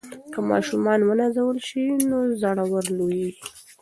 که ماشومان ونازول سي نو زړور لویېږي.